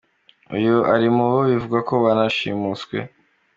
Uyu ari mu bo bivugwa ko banashimuswe.